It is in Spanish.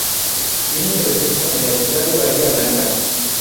Tiene presencia en la ciudad de Bahía Blanca.